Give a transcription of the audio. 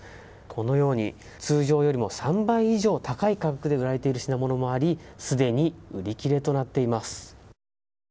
このように通常よりも３倍以上高い価格で売られている品物もありすでに売り切れとなっています。